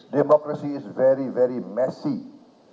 demokrasi itu sangat sangat melelahkan